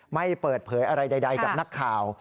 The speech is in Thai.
ไม่เปิดเผยอะไรใดกับนักข่าว